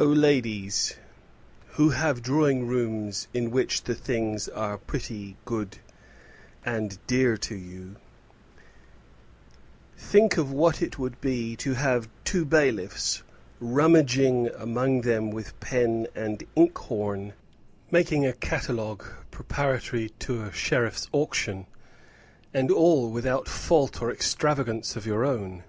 O ladies, who have drawing rooms in which the things are pretty, good, and dear to you, think of what it would be to have two bailiffs rummaging among them with pen and inkhorn, making a catalogue preparatory to a sheriff's auction; and all without fault or extravagance of your own!